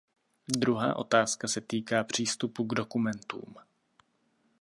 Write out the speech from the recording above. Druhá otázka se týká přístupu k dokumentům.